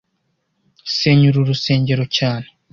Senya uru rusengero cyane